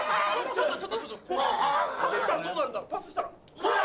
ちょっとちょっとパスしたらどうなるんだろう？うわ！